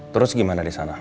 terus gimana disana